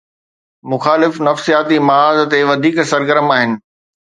مخالف نفسياتي محاذ تي وڌيڪ سرگرم آهن.